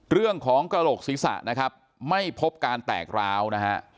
เรื่องของกระโหลกศีรษะนะครับไม่พบการแตกร้าวนะฮะ